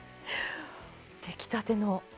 出来たての。